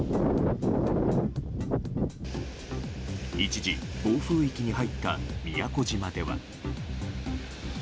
一時、暴風域に入った宮古島では。